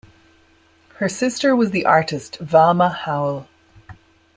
Her sister was the artist Valma Howell.